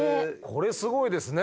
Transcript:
これすごいですね。